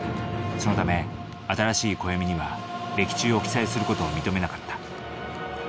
そのため新しい暦には暦注を記載する事を認めなかった。